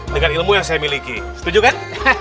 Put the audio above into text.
dengan ilmu yang saya miliki setuju kan